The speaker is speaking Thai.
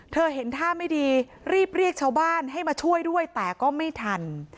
เห็นท่าไม่ดีรีบเรียกชาวบ้านให้มาช่วยด้วยแต่ก็ไม่ทัน